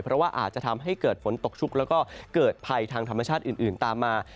เพราะว่าอาจจะทำให้เกิดฝนตกชุกแล้วก็เกิดภัยทางธรรมชาติอื่นตามมา